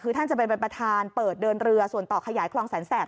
คือท่านจะไปเป็นประธานเปิดเดินเรือส่วนต่อขยายคลองแสนแสบ